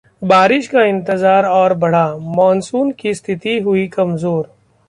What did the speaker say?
बारिश का इंतजार और बढ़ा, मॉनसून की स्थिति हुई कमजोर